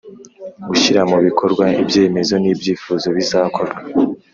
Gushyira mu bikorwa ibyemezo n ‘ibyifuzo bizakorwa.